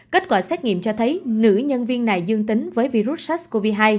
kết quả xét nghiệm cho thấy nữ nhân viên này dương tính với virus sars cov hai